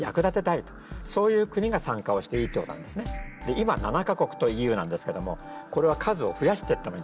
今７か国とＥＵなんですけどもこれは数を増やしていってもいいんですね。